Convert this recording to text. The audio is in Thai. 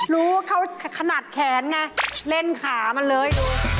รู้ว่าเขาขนาดแขนไงเล่นขามันเลย